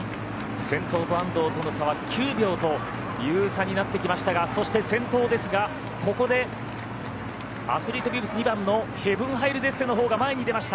先頭と安藤との差は９秒という差になってきましたがそして、先頭ですがここでアスリートビブス２番のヘヴン・ハイル・デッセのほうが前に出ました。